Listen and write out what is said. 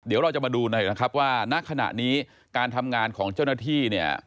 เดี๋ยวเราจะมาดูหน่อยนะครับว่าณขณะนี้การทำงานของเจ้าหน้าที่เนี่ย